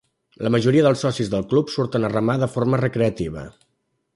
La majoria dels socis del club surten a remar de forma recreativa.